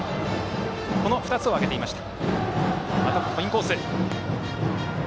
この２つを挙げていました。